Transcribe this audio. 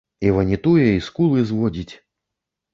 І ванітуе, і скулы зводзіць.